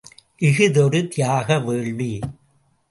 இஃதொரு தியாக வேள்வி.